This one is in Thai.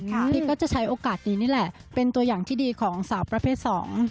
พี่ก็จะใช้โอกาสนี้นี่แหละเป็นตัวอย่างที่ดีของสาวประเภทสอง